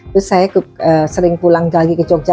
terus saya sering pulang lagi ke jogja